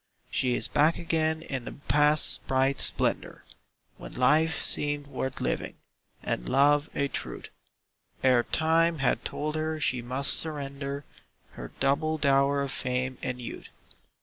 She is back again in the Past's bright splendor When life seemed worth living, and love a truth, Ere Time had told her she must surrender Her double dower of fame and youth.